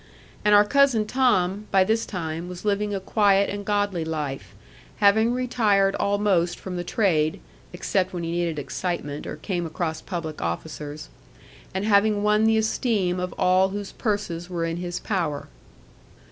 And our Cousin Tom, by this time, was living a quiet and godly life; having retired almost from the trade (except when he needed excitement, or came across public officers), and having won the esteem of all whose purses were in his power.